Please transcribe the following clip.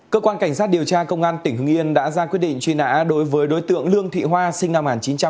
cơ quan cảnh sát điều tra công an tỉnh hưng yên đã ra quyết định truy nã đối với đối tượng lương thị hoa sinh năm một nghìn chín trăm tám mươi